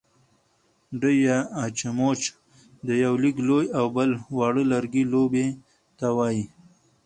ډی يا اچموچ د يوۀ لږ لوی او بل واړۀ لرګي لوبې ته وايي.